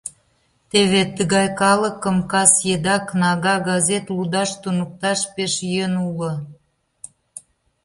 Теве тыгай калыкым кас еда кнага, газет лудаш туныкташ пеш йӧн уло.